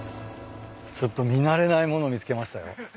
ちょっと見慣れない物見つけましたよ。